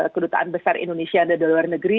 kedutaan besar indonesia dari luar negeri